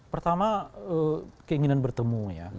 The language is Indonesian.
pertama keinginan bertemu ya